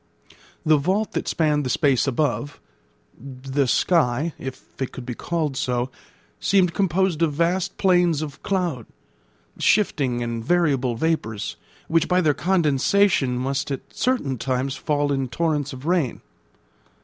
The vault that spanned the space above, the sky, if it could be called so, seemed composed of vast plains of cloud, shifting and variable vapours, which by their condensation must at certain times fall in torrents of rain.